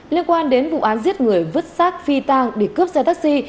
liên quan đến vụ án giết người vứt xác phi tàng để cướp xe taxi